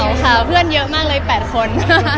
ไม่เอาค่ะเพื่อนเยอะมากเลย๘คน